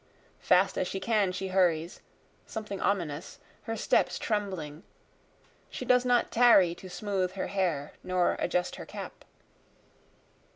Fast as she can she hurries, something ominous, her steps trembling, She does not tarry to smooth her hair nor adjust her cap.